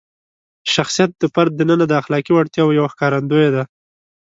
شخصیت د فرد دننه د اخلاقي وړتیاوو یوه ښکارندویي ده.